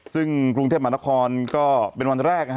ซึ่งกรุงเทพมหานครก็เป็นวันแรก